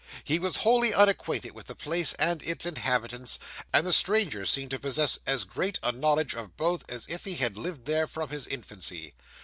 He was wholly unacquainted with the place and its inhabitants, and the stranger seemed to possess as great a knowledge of both as if he had lived there from his infancy.